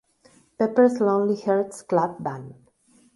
"Pepper's Lonely Hearts Club Band".